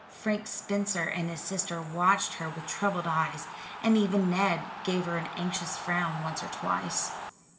Frank Spencer and his sister watched her with troubled eyes, and even Ned gave an anxious frown once or twice.